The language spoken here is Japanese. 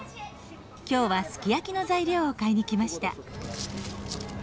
今日はすき焼きの材料を買いに来ました。